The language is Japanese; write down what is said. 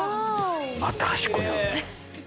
また端っこにおる。